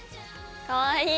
かわいい。